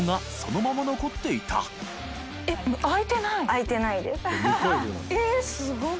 開いてないです。